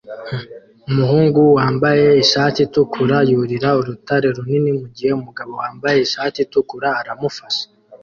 Umuhungu wambaye ishati itukura yurira urutare runini mugihe umugabo wambaye ishati itukura aramufasha